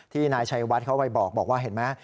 นายชัยวัดเขาไปบอกว่าเห็นไหม